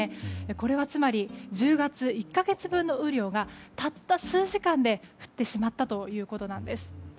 これは、つまり１０月１か月分の雨量がたった数時間で降ってしまったということなんです。